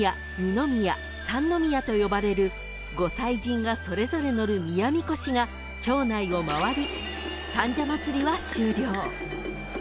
［と呼ばれるご祭神がそれぞれ乗る宮みこしが町内を回り三社祭は終了］